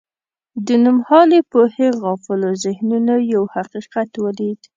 له نومهالې پوهې غافلو ذهنونو یو حقیقت ولید.